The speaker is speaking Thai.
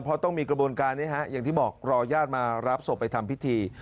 เพราะต้องมีกระบวนการนี้ฮะอย่างที่บอกรอญาติมารับศพไปทำพิธี